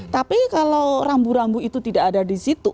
tapi kalau rambu rambu itu tidak ada di situ